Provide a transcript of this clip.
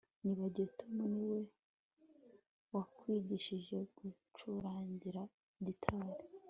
Nibagiwe Tom niwe wakwigishije gucuranga gitari